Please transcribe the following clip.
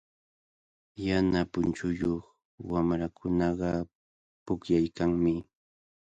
Yana punchuyuq wamrakunaqa pukllaykanmi.